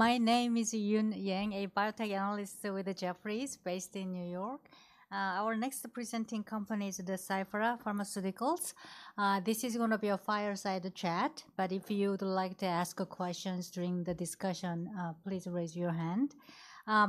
My name is Eun Yang, a biotech analyst with Jefferies, based in New York. Our next presenting company is Deciphera Pharmaceuticals. This is going to be a fireside chat, but if you would like to ask questions during the discussion, please raise your hand.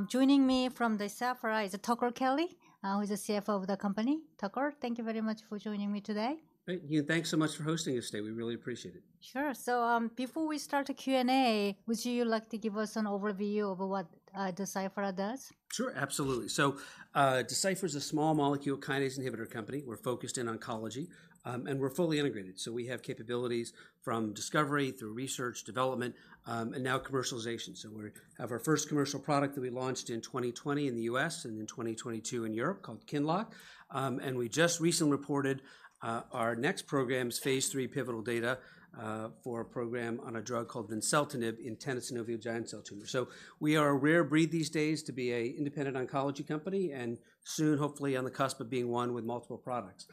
Joining me from Deciphera is Tucker Kelly, who is the CFO of the company. Tucker, thank you very much for joining me today. Thank you, and thanks so much for hosting us today. We really appreciate it. Sure. So, before we start the Q&A, would you like to give us an overview of what Deciphera does? Sure, absolutely. So, Deciphera is a small molecule kinase inhibitor company. We're focused in oncology, and we're fully integrated. So we have capabilities from discovery through research, development, and now commercialization. So we have our first commercial product that we launched in 2020 in the U.S. and in 2022 in Europe, called QINLOCK. And we just recently reported our next program's phase III pivotal data for a program on a drug called vimseltinib in tenosynovial giant cell tumor. So we are a rare breed these days to be an independent oncology company, and soon, hopefully, on the cusp of being one with multiple products.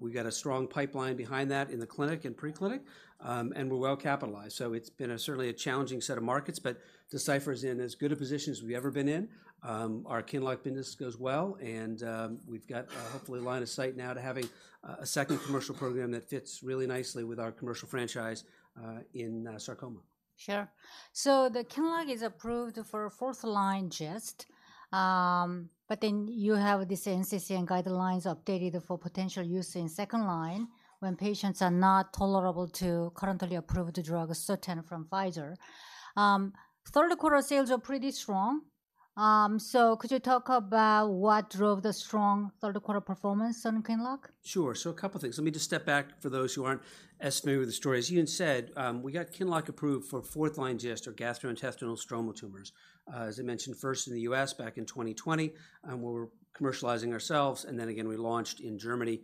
We've got a strong pipeline behind that in the clinic and pre-clinic, and we're well capitalized, so it's been certainly a challenging set of markets, but Deciphera is in as good a position as we've ever been in. Our QINLOCK business goes well, and we've got, hopefully, a line of sight now to having a second commercial program that fits really nicely with our commercial franchise in sarcoma. Sure. So the QINLOCK is approved for fourth line GIST, but then you have this NCCN guidelines updated for potential use in second line when patients are not tolerable to currently approved drug SUTENT from Pfizer. Third quarter sales are pretty strong. So could you talk about what drove the strong third quarter performance on QINLOCK? Sure. So a couple of things. Let me just step back for those who aren't as familiar with the story. As Eun said, we got QINLOCK approved for fourth line GIST or gastrointestinal stromal tumors. As I mentioned, first in the U.S. back in 2020, and we're commercializing ourselves, and then again, we launched in Germany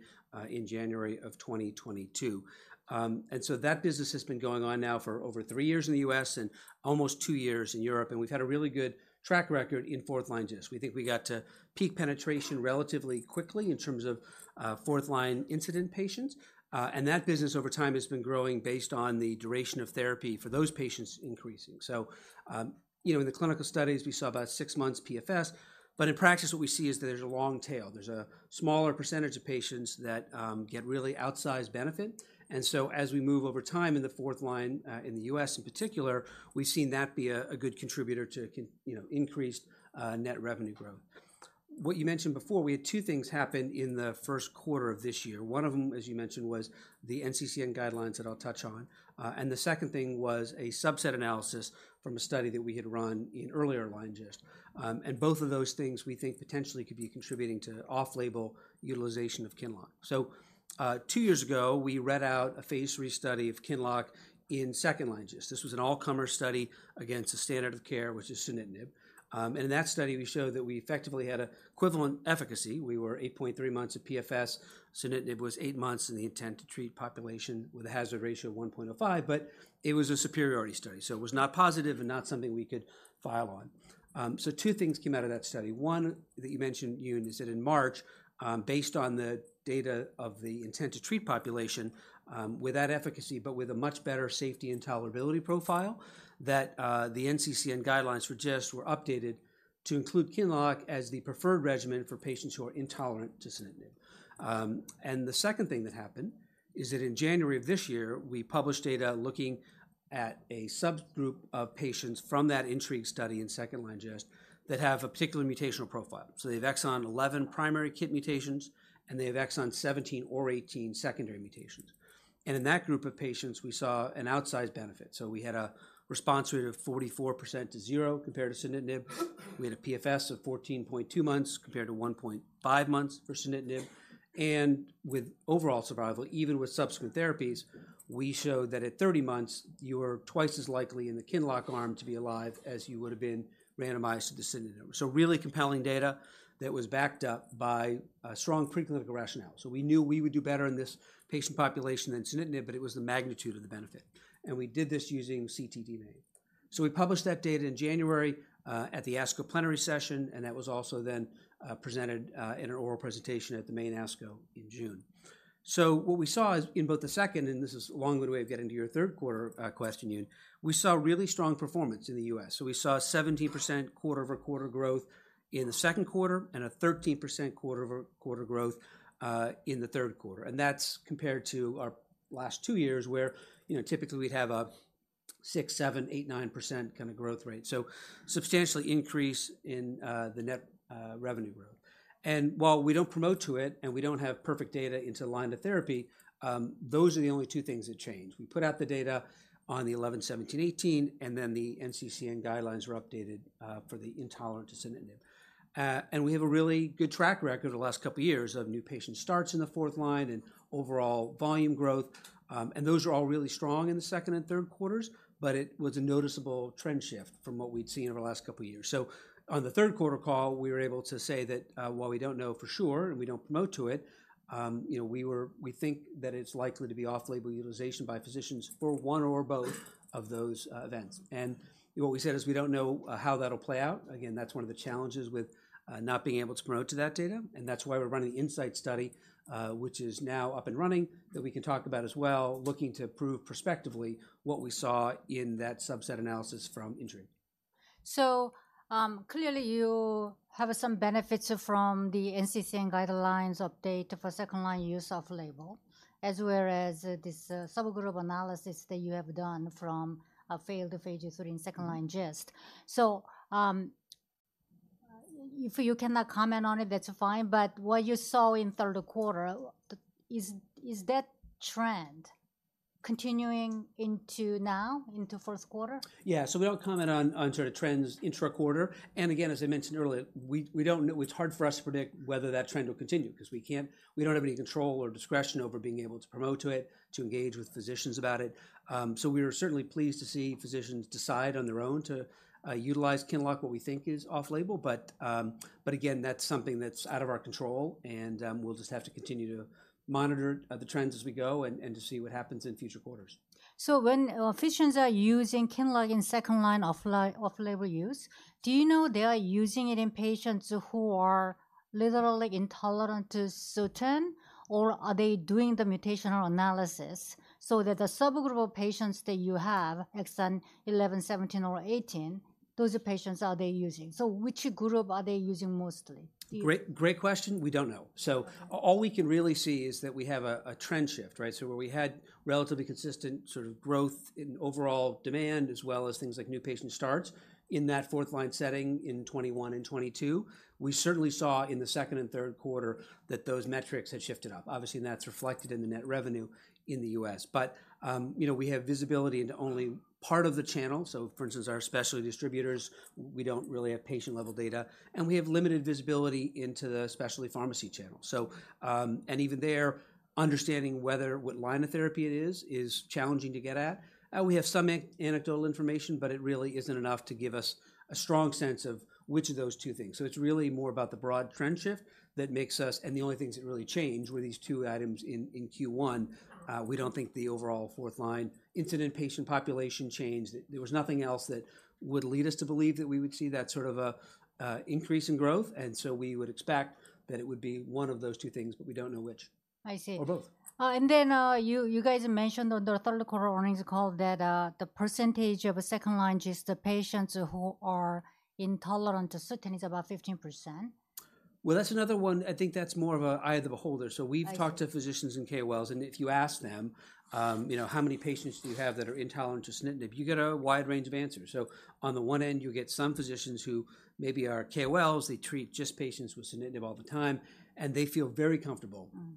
in January 2022. And so that business has been going on now for over three years in the U.S. and almost two years in Europe, and we've had a really good track record in fourth line GIST. We think we got to peak penetration relatively quickly in terms of fourth line incident patients, and that business over time has been growing based on the duration of therapy for those patients increasing. So, you know, in the clinical studies, we saw about six months PFS, but in practice, what we see is that there's a long tail. There's a smaller percentage of patients that get really outsized benefit, and so as we move over time in the fourth line, in the U.S. in particular, we've seen that be a good contributor to, you know, increased net revenue growth. What you mentioned before, we had two things happen in the first quarter of this year. One of them, as you mentioned, was the NCCN guidelines that I'll touch on, and the second thing was a subset analysis from a study that we had run in earlier line GIST. And both of those things we think potentially could be contributing to off-label utilization of QINLOCK. So, two years ago, we read out a phase III study of QINLOCK in second-line GIST. This was an all-comer study against the standard of care, which is sunitinib. In that study, we showed that we effectively had equivalent efficacy. We were 8.3 months of PFS. Sunitinib was eight months in the intent-to-treat population with a hazard ratio of 1.05, but it was a superiority study, so it was not positive and not something we could file on. Two things came out of that study. One, that you mentioned, Eun, is that in March, based on the data of the intent to treat population, with that efficacy, but with a much better safety and tolerability profile, that the NCCN guidelines for GIST were updated to include QINLOCK as the preferred regimen for patients who are intolerant to sunitinib. And the second thing that happened is that in January of this year, we published data looking at a subgroup of patients from that INTRIGUE study in second-line GIST that have a particular mutational profile. So they have exon 11 primary KIT mutations, and they have exon 17 or 18 secondary mutations, and in that group of patients, we saw an outsized benefit. So we had a response rate of 44% to 0% compared to sunitinib. We had a PFS of 14.2 months compared to 1.5 months for sunitinib, and with overall survival, even with subsequent therapies, we showed that at 30 months, you are twice as likely in the QINLOCK arm to be alive as you would have been randomized to the sunitinib. So really compelling data that was backed up by a strong preclinical rationale. So we knew we would do better in this patient population than sunitinib, but it was the magnitude of the benefit, and we did this using ctDNA. So we published that data in January at the ASCO Plenary Session, and that was also then presented in an oral presentation at the main ASCO in June. So what we saw is in both the second, and this is a long-winded way of getting to your third quarter question, Eun, we saw really strong performance in the U.S. So we saw a 70% quarter-over-quarter growth in the second quarter and a 13% quarter-over-quarter growth in the third quarter, and that's compared to our last two years, where, you know, typically we'd have a 6%, 7%, 8%, 9% kind of growth rate. So substantially increase in the net revenue growth. And while we don't promote to it and we don't have perfect data into line of therapy, those are the only two things that change. We put out the data on the 11, 17, 18, and then the NCCN guidelines were updated for the intolerant to sunitinib. And we have a really good track record the last couple of years of new patient starts in the fourth line and overall volume growth, and those are all really strong in the second and third quarters, but it was a noticeable trend shift from what we'd seen over the last couple of years. So on the third quarter call, we were able to say that, while we don't know for sure, and we don't promote to it, you know, we think that it's likely to be off-label utilization by physicians for one or both of those events. And what we said is we don't know how that'll play out. Again, that's one of the challenges with not being able to extrapolate to that data, and that's why we're running the INSIGHT study, which is now up and running, that we can talk about as well, looking to prove prospectively what we saw in that subset analysis from INTRIGUE. So, clearly you have some benefits from the NCCN guidelines update for second-line use off-label, as well as this, subgroup analysis that you have done from a failed phase III in second-line GIST. So, if you cannot comment on it, that's fine, but what you saw in third quarter, is that trend continuing into now, into fourth quarter? Yeah. So we don't comment on sort of trends intra-quarter. And again, as I mentioned earlier, we don't know—It's hard for us to predict whether that trend will continue, 'cause we can't—we don't have any control or discretion over being able to promote to it, to engage with physicians about it. So we are certainly pleased to see physicians decide on their own to utilize QINLOCK, what we think is off-label. But again, that's something that's out of our control, and we'll just have to continue to monitor the trends as we go and to see what happens in future quarters. So when physicians are using QINLOCK in second-line off-label use, do you know they are using it in patients who are literally intolerant to SUTENT, or are they doing the mutational analysis so that the subgroup of patients that you have, exon 11, 17, or 18, those are patients are they using? So which group are they using mostly? Great, great question. We don't know. So all we can really see is that we have a trend shift, right? So where we had relatively consistent sort of growth in overall demand, as well as things like new patient starts in that fourth-line setting in 2021 and 2022, we certainly saw in the second and third quarter that those metrics had shifted up. Obviously, that's reflected in the net revenue in the U.S. But, you know, we have visibility into only part of the channel. So for instance, our specialty distributors, we don't really have patient-level data, and we have limited visibility into the specialty pharmacy channel. So, and even there, understanding whether what line of therapy it is, is challenging to get at. We have some anecdotal information, but it really isn't enough to give us a strong sense of which of those two things. It's really more about the broad trend shift that makes us... The only things that really changed were these two items in Q1. We don't think the overall fourth-line incident patient population changed. There was nothing else that would lead us to believe that we would see that sort of an increase in growth, and so we would expect that it would be one of those two things, but we don't know which. I see. Or both. And then, you guys mentioned on the third quarter earnings call that the percentage of second-line GIST patients who are intolerant to SUTENT is about 15%. Well, that's another one. I think that's more of an eye of the beholder. I see. So we've talked to physicians and KOLs, and if you ask them, you know, "How many patients do you have that are intolerant to sunitinib?" You get a wide range of answers. So on the one end, you get some physicians who maybe are KOLs; they treat just patients with sunitinib all the time, and they feel very comfortable- Mm-hmm.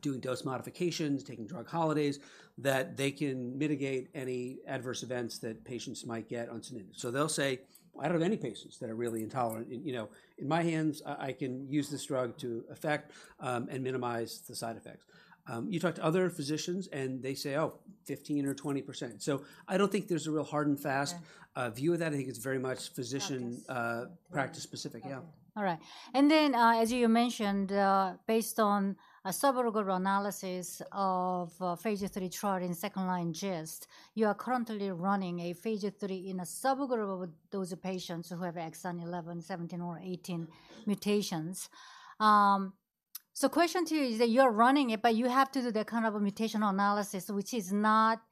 Doing dose modifications, taking drug holidays, that they can mitigate any adverse events that patients might get on sunitinib. So they'll say, "I don't have any patients that are really intolerant. You know, in my hands, I can use this drug to effect and minimize the side effects." You talk to other physicians, and they say, "Oh, 15%-20%." So I don't think there's a real hard and fast- Yeah. - view of that. I think it's very much physician- Practice. - practice specific. Yeah. All right. And then, as you mentioned, based on a subgroup analysis of phase III trial in second-line GIST, you are currently running a phase III in a subgroup of those patients who have exon 11, 17, or 18 mutations. So question to you is that you're running it, but you have to do the kind of a mutational analysis, which is not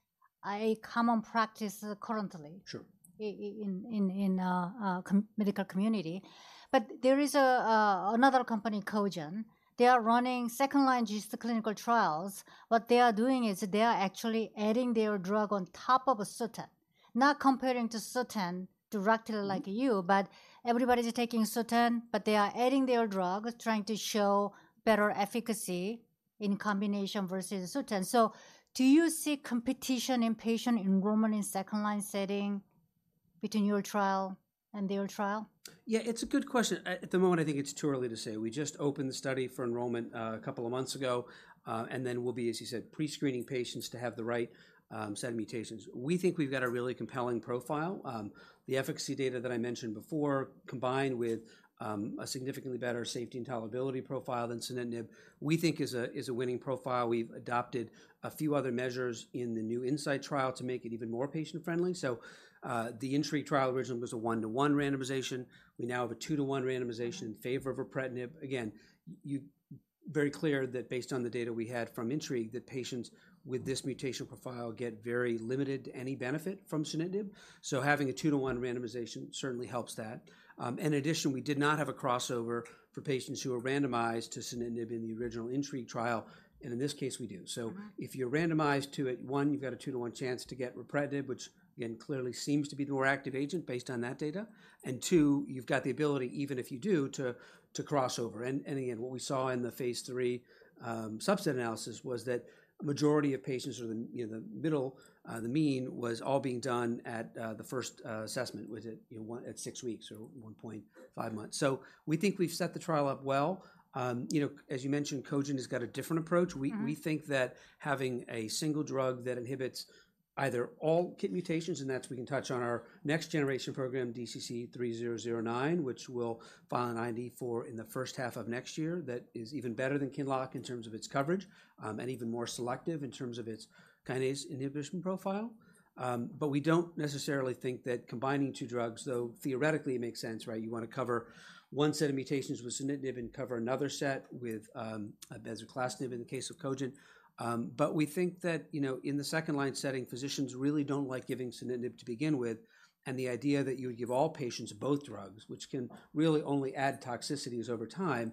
a common practice currently. Sure. In the medical community. But there is another company, Cogent. They are running second-line GIST clinical trials. What they are doing is they are actually adding their drug on top of SUTENT, not comparing to SUTENT directly like you, but everybody's taking SUTENT, but they are adding their drug, trying to show better efficacy in combination versus SUTENT. So do you see competition in patient enrollment in second-line setting between your trial and their trial? Yeah, it's a good question. At the moment, I think it's too early to say. We just opened the study for enrollment a couple of months ago, and then we'll be, as you said, pre-screening patients to have the right set of mutations. We think we've got a really compelling profile. The efficacy data that I mentioned before, combined with a significantly better safety and tolerability profile than sunitinib, we think is a winning profile. We've adopted a few other measures in the new INSIGHT trial to make it even more patient-friendly. So, the INTRIGUE trial originally was a 1:1 randomization. We now have a 2:1 randomization- Mm-hmm. - in favor of ripretinib. Again, you-- very clear that based on the data we had from INTRIGUE, that patients with this mutational profile get very limited to any benefit from sunitinib. So having a 2-to-1 randomization certainly helps that. In addition, we did not have a crossover for patients who were randomized to sunitinib in the original INTRIGUE trial, and in this case, we do. Mm-hmm. So if you're randomized to it, one, you've got a 2:1 chance to get ripretinib, which again, clearly seems to be the more active agent based on that data. And two, you've got the ability, even if you do, to cross over. And again, what we saw in the phase III subset analysis was that majority of patients or the, you know, the middle, the mean, was all being done at the first assessment, was it, you know, one at six weeks or 1.5 months. So we think we've set the trial up well. You know, as you mentioned, Cogent has got a different approach. Mm-hmm. We think that having a single drug that inhibits either all KIT mutations, and that's where we can touch on our next generation program, DCC-3009, which will file an IND for in the first half of next year. That is even better than QINLOCK in terms of its coverage, and even more selective in terms of its kinase inhibition profile. But we don't necessarily think that combining two drugs, though theoretically it makes sense, right? You want to cover one set of mutations with sunitinib and cover another set with a bezuclastinib in the case of Cogent. But we think that, you know, in the second-line setting, physicians really don't like giving sunitinib to begin with, and the idea that you would give all patients both drugs, which can really only add toxicities over time,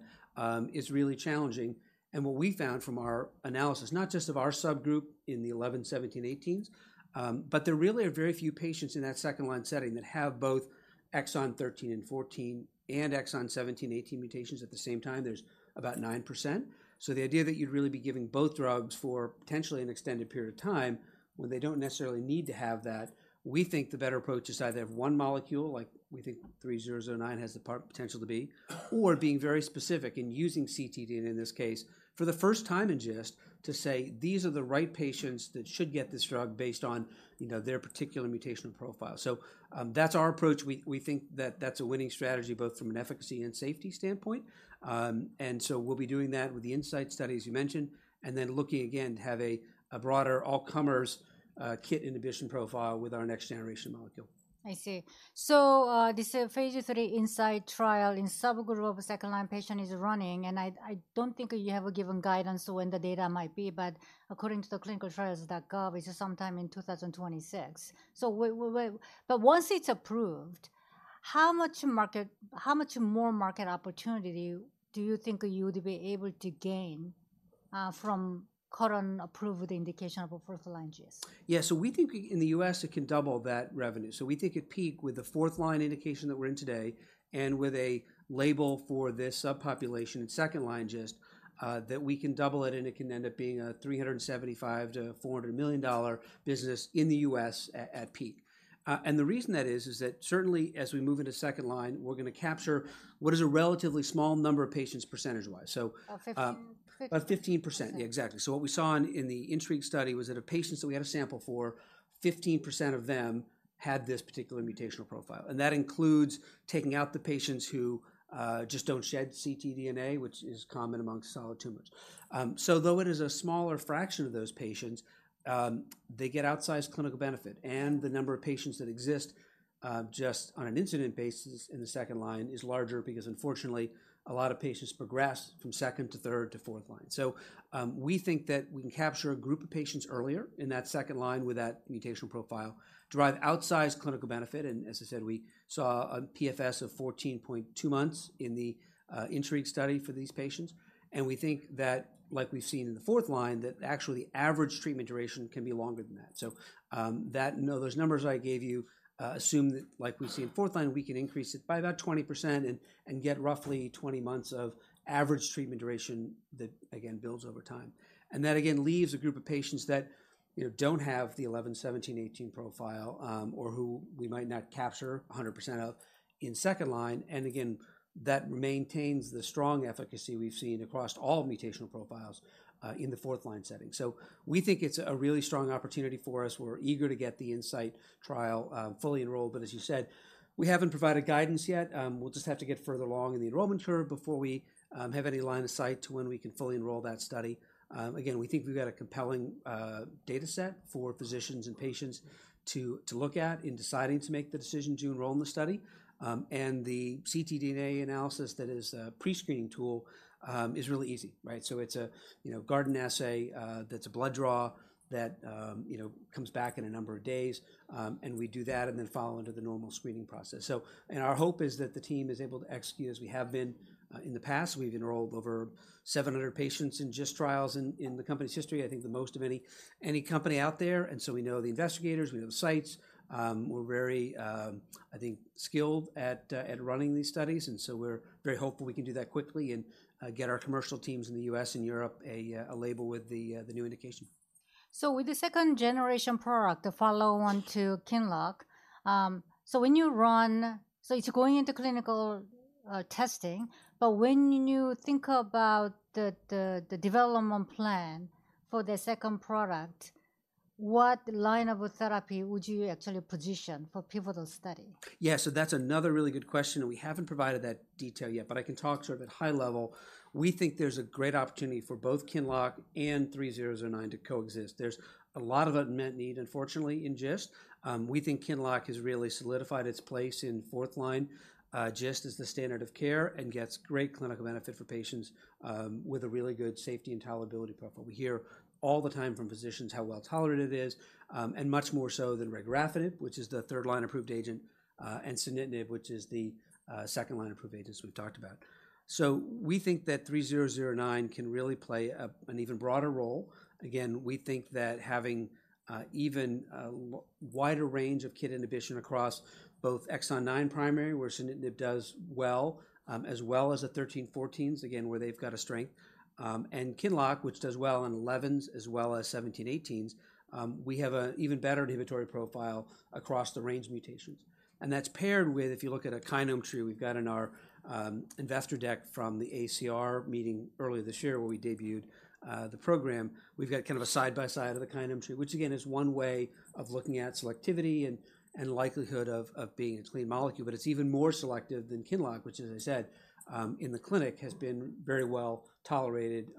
is really challenging. And what we found from our analysis, not just of our subgroup in the 11, 17, 18s, but there really are very few patients in that second-line setting that have both exon 13 and 14 and exon 17, 18 mutations at the same time. There's about 9%. So the idea that you'd really be giving both drugs for potentially an extended period of time when they don't necessarily need to have that, we think the better approach is to either have one molecule, like we think 3009 has the potential to be, or being very specific in using ctDNA, and in this case, for the first time in GIST, to say: These are the right patients that should get this drug based on, you know, their particular mutational profile. So, that's our approach. We think that that's a winning strategy, both from an efficacy and safety standpoint. And so we'll be doing that with the Insight study, as you mentioned, and then looking again to have a broader all-comers KIT inhibition profile with our next generation molecule. I see. So, this phase III INSIGHT trial in subgroup of second-line patient is running, and I don't think you have a given guidance on when the data might be, but according to the ClinicalTrials.gov, it's sometime in 2026. So wait, but once it's approved, how much market, how much more market opportunity do you think you would be able to gain from current approved indication of a fourth-line GIST? Yeah, so we think in the U.S., it can double that revenue. So we think at peak with the fourth-line indication that we're in today, and with a label for this subpopulation in second-line GIST, that we can double it, and it can end up being a $375 million-$400 million business in the U.S. at peak. And the reason that is, is that certainly as we move into second line, we're gonna capture what is a relatively small number of patients percentage-wise. So- About 15, pretty- About 15%. Yeah, exactly. So what we saw in the INTRIGUE study was that a patient, so we had a sample for 15% of them had this particular mutational profile, and that includes taking out the patients who just don't shed ctDNA, which is common among solid tumors. So though it is a smaller fraction of those patients, they get outsized clinical benefit, and the number of patients that exist just on an incidence basis in the second line is larger because unfortunately, a lot of patients progress from second to third to fourth line. So we think that we can capture a group of patients earlier in that second line with that mutational profile, drive outsized clinical benefit, and as I said, we saw a PFS of 14.2 months in the INTRIGUE study for these patients. And we think that, like we've seen in the fourth-line, that actually, average treatment duration can be longer than that. So, those numbers I gave you assume that, like we see in fourth-line, we can increase it by about 20% and, and get roughly 20 months of average treatment duration that, again, builds over time. And that, again, leaves a group of patients that, you know, don't have the 11, 17, 18 profile, or who we might not capture 100% of in second-line, and again, that maintains the strong efficacy we've seen across all mutational profiles in the fourth-line setting. So we think it's a really strong opportunity for us. We're eager to get the INSIGHT trial fully enrolled, but as you said, we haven't provided guidance yet. We'll just have to get further along in the enrollment curve before we have any line of sight to when we can fully enroll that study. Again, we think we've got a compelling data set for physicians and patients to look at in deciding to make the decision to enroll in the study. And the ctDNA analysis that is a pre-screening tool is really easy, right? So it's a, you know, Guardant assay that's a blood draw that you know comes back in a number of days, and we do that, and then follow into the normal screening process. So... And our hope is that the team is able to execute as we have been in the past. We've enrolled over 700 patients in GIST trials in the company's history, I think the most of any company out there, and so we know the investigators, we know the sites. We're very, I think, skilled at running these studies, and so we're very hopeful we can do that quickly and get our commercial teams in the U.S. and Europe a label with the new indication. So with the second generation product, the follow-on to QINLOCK, so it's going into clinical testing, but when you think about the development plan for the second product, what line of therapy would you actually position for pivotal study? Yeah, so that's another really good question, and we haven't provided that detail yet, but I can talk to it at high level. We think there's a great opportunity for both QINLOCK and DCC-3009 to coexist. There's a lot of unmet need, unfortunately, in GIST. We think QINLOCK has really solidified its place in fourth line GIST as the standard of care and gets great clinical benefit for patients with a really good safety and tolerability profile. We hear all the time from physicians how well-tolerated it is and much more so than regorafenib, which is the third line approved agent, and sunitinib, which is the second line approved agent as we've talked about. So we think that DCC-3009 can really play a an even broader role. Again, we think that having even a wider range of KIT inhibition across both exon 9 primary, where sunitinib does well, as well as the 13, 14s, again, where they've got a strength, and QINLOCK, which does well on 11s as well as 17, 18s, we have an even better inhibitory profile across the range mutations. And that's paired with, if you look at a kinome tree, we've got in our investor deck from the AACR meeting earlier this year where we debuted the program. We've got kind of a side by side of the kinome tree, which again, is one way of looking at selectivity and likelihood of being a clean molecule, but it's even more selective than QINLOCK, which, as I said, in the clinic, has been very well tolerated,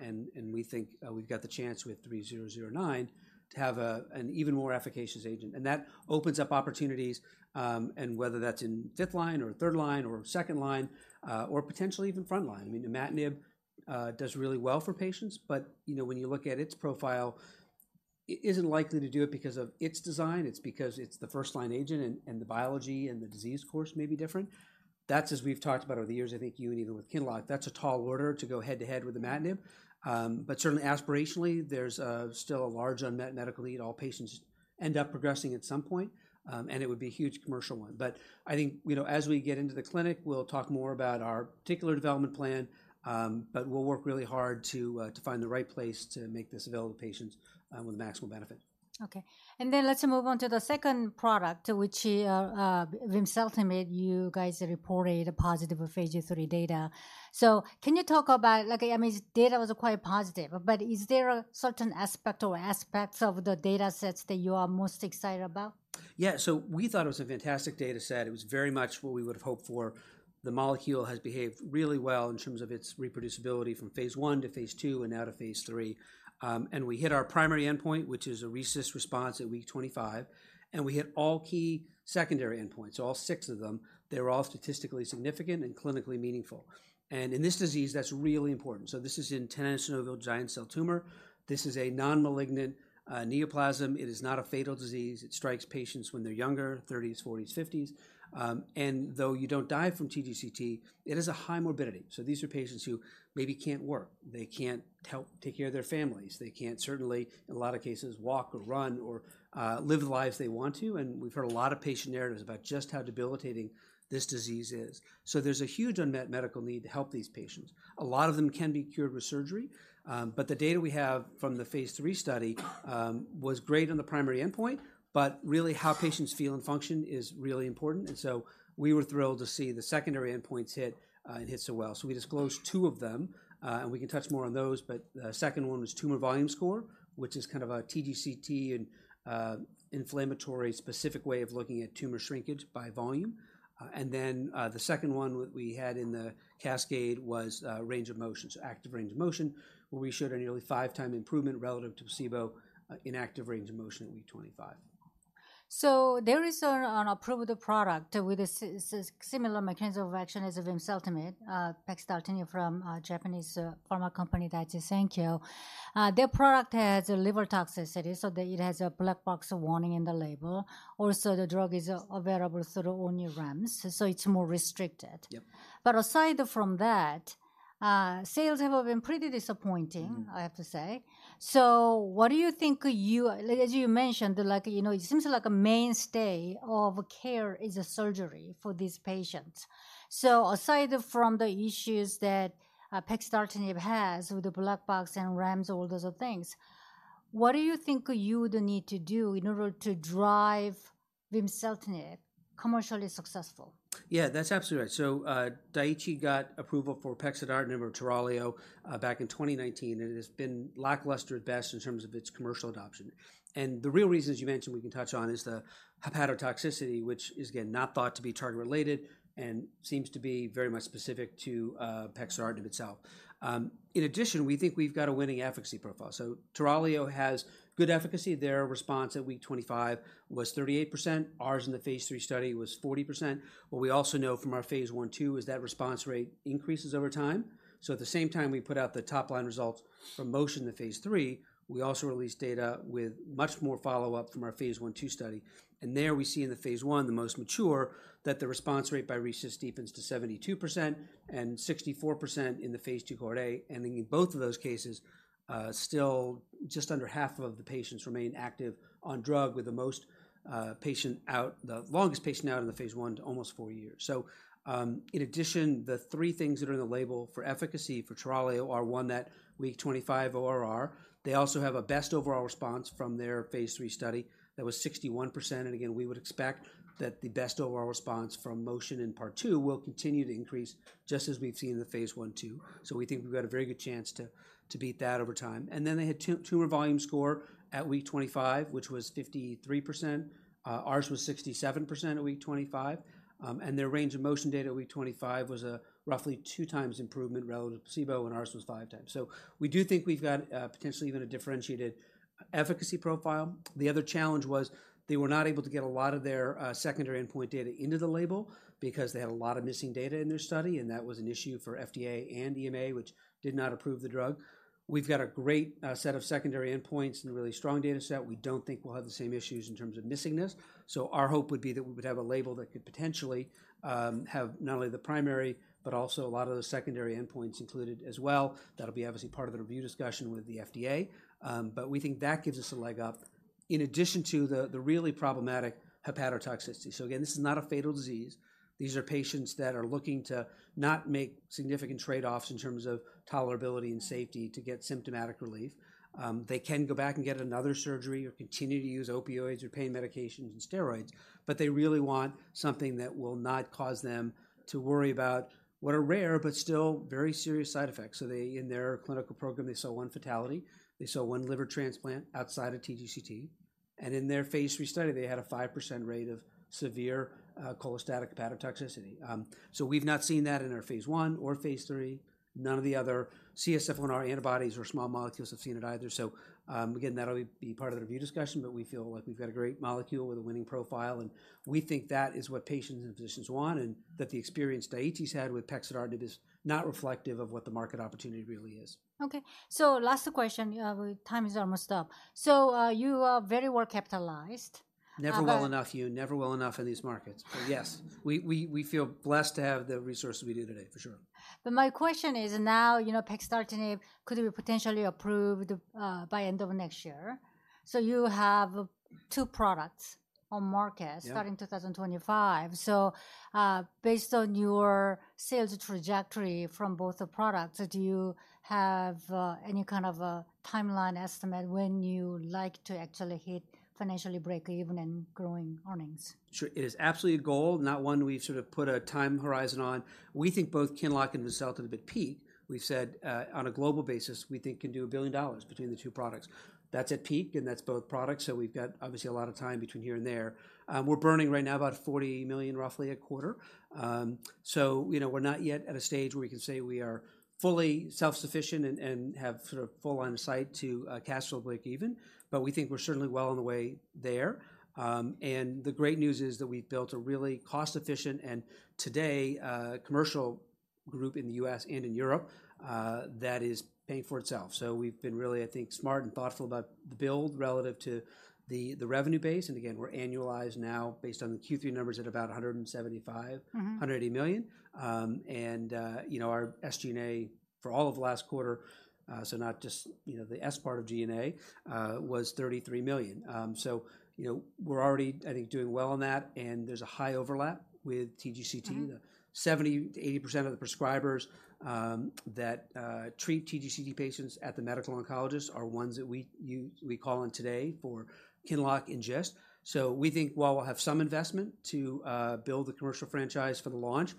and we think we've got the chance with DCC-3009 to have an even more efficacious agent. And that opens up opportunities, and whether that's in fifth line or third line or second line, or potentially even front line. I mean, imatinib does really well for patients, but, you know, when you look at its profile, it isn't likely to do it because of its design, it's because it's the first-line agent and the biology and the disease course may be different. That's as we've talked about over the years, I think you and even with QINLOCK, that's a tall order to go head-to-head with imatinib. But certainly aspirationally, there's still a large unmet medical need. All patients end up progressing at some point, and it would be a huge commercial one. But I think, you know, as we get into the clinic, we'll talk more about our particular development plan, but we'll work really hard to find the right place to make this available to patients with maximal benefit. Okay, and then let's move on to the second product, which vimseltinib, you guys reported a positive phase III data. So can you talk about, like, I mean, data was quite positive, but is there a certain aspect or aspects of the data sets that you are most excited about? Yeah, so we thought it was a fantastic data set. It was very much what we would have hoped for. The molecule has behaved really well in terms of its reproducibility from phase I to phase II, and now to phase III. And we hit our primary endpoint, which is a RECIST response at week 25, and we hit all key secondary endpoints, all six of them. They're all statistically significant and clinically meaningful. And in this disease, that's really important. So this is in tenosynovial giant cell tumor. This is a non-malignant neoplasm. It is not a fatal disease. It strikes patients when they're younger, 30s, 40s, 50s. And though you don't die from TGCT, it is a high morbidity. So these are patients who maybe can't work, they can't help take care of their families, they can't certainly, in a lot of cases, walk or run or, live the lives they want to, and we've heard a lot of patient narratives about just how debilitating this disease is. So there's a huge unmet medical need to help these patients. A lot of them can be cured with surgery, but the data we have from the phase III study was great on the primary endpoint, but really how patients feel and function is really important, and so we were thrilled to see the secondary endpoints hit, and hit so well. So we disclosed two of them, and we can touch more on those, but the second one was tumor volume score, which is kind of a TGCT and inflammatory specific way of looking at tumor shrinkage by volume. And then, the second one we had in the cascade was range of motion, so active range of motion, where we showed a nearly five-time improvement relative to placebo, in active range of motion at week 25. So there is an approved product with a similar mechanism of action as vimseltinib, pexidartinib from a Japanese pharma company, Daiichi Sankyo. Their product has a liver toxicity, so that it has a black box warning in the label. Also, the drug is available through REMS, so it's more restricted. Yep. But aside from that, sales have been pretty disappointing. Mm-hmm I have to say. So what do you think you, as you mentioned, like, you know, it seems like a mainstay of care is a surgery for these patients. So aside from the issues that, pexidartinib has with the black box and REMS, all those things, what do you think you would need to do in order to drive vimseltinib commercially successful? Yeah, that's absolutely right. So, Daiichi got approval for pexidartinib or TURALIO, back in 2019, and it has been lackluster at best in terms of its commercial adoption. And the real reasons you mentioned we can touch on is the hepatotoxicity, which is, again, not thought to be target related and seems to be very much specific to pexidartinib itself. In addition, we think we've got a winning efficacy profile. So TURALIO has good efficacy. Their response at week 25 was 38%. Ours in the phase III study was 40%. What we also know from our phase 1/2 is that response rate increases over time. So at the same time, we put out the top-line results from MOTION phase III, we also released data with much more follow-up from our phase 1/2 study, and there we see in the phase I, the most mature, that the response rate by RECIST deepens to 72% and 64% in the phase II cohort A, and in both of those cases, still just under half of the patients remain active on drug with the most, the longest patient out in the phase I to almost four years. So, in addition, the three things that are in the label for efficacy for TURALIO are one, that week 25 ORR. They also have a best overall response from their phase III study. That was 61%, and again, we would expect that the best overall response from MOTION in part two will continue to increase, just as we've seen in the phase 1/2. So we think we've got a very good chance to beat that over time. And then, they had tumor volume score at week 25, which was 53%. Ours was 67% at week 25. And their range of motion data at week 25 was a roughly 2x improvement relative to placebo, and ours was five times. So we do think we've got potentially even a differentiated efficacy profile. The other challenge was they were not able to get a lot of their secondary endpoint data into the label because they had a lot of missing data in their study, and that was an issue for FDA and EMA, which did not approve the drug. We've got a great set of secondary endpoints and a really strong data set. We don't think we'll have the same issues in terms of missing this. So our hope would be that we would have a label that could potentially have not only the primary, but also a lot of the secondary endpoints included as well. That'll be obviously part of the review discussion with the FDA, but we think that gives us a leg up in addition to the really problematic hepatotoxicity. So again, this is not a fatal disease. These are patients that are looking to not make significant trade-offs in terms of tolerability and safety to get symptomatic relief. They can go back and get another surgery or continue to use opioids or pain medications and steroids, but they really want something that will not cause them to worry about what are rare, but still very serious side effects. So they, in their clinical program, they saw one fatality. They saw one liver transplant outside of TGCT, and in their phase III study, they had a 5% rate of severe, cholestatic hepatotoxicity. So we've not seen that in our phase I or phase III. None of the other CSF1R antibodies or small molecules have seen it either. So, again, that'll be part of the review discussion, but we feel like we've got a great molecule with a winning profile, and we think that is what patients and physicians want, and that the experience Daiichi's had with pexidartinib is not reflective of what the market opportunity really is. Okay, so last question, time is almost up. You are very well capitalized. But- Never well enough, you. Never well enough in these markets. But yes, we feel blessed to have the resources we do today, for sure. My question is, now, you know, pexidartinib could be potentially approved by end of next year. You have two products on market- Yeah... starting 2025. So, based on your sales trajectory from both the products, do you have any kind of a timeline estimate when you like to actually hit financially break even and growing earnings? Sure. It is absolutely a goal, not one we've sort of put a time horizon on. We think both QINLOCK and vimseltinib at peak, we've said, on a global basis, we think can do $1 billion between the two products. That's at peak, and that's both products, so we've got obviously a lot of time between here and there. We're burning right now about $40 million, roughly a quarter. So you know, we're not yet at a stage where we can say we are fully self-sufficient and have sort of full line of sight to cash flow break even, but we think we're certainly well on the way there. And the great news is that we've built a really cost-efficient, and today, commercial group in the U.S. and in Europe, that is paying for itself. So we've been really, I think, smart and thoughtful about the build relative to the revenue base, and again, we're annualized now based on the Q3 numbers at about $175 million- Mm-hmm... $180 million. And, you know, our SG&A for all of last quarter, so not just, you know, the S part of G&A, was $33 million. So, you know, we're already, I think, doing well on that, and there's a high overlap with TGCT. Mm-hmm. 70%-80% of the prescribers that treat TGCT patients at the medical oncologist are ones that we call in today for QINLOCK and GIST. So we think while we'll have some investment to build the commercial franchise for the launch,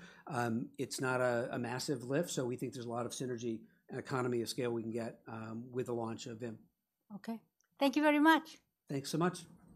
it's not a massive lift, so we think there's a lot of synergy and economy of scale we can get with the launch of vimseltinib. Okay. Thank you very much. Thanks so much.